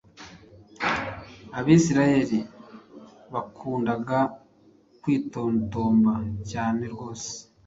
Abisirayeli bakundaga kwitotomba cyane rwose,